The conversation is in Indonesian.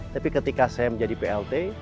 tapi ketika saya menjadi plt